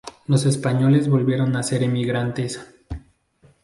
Los españoles volvieron a ser emigrantes.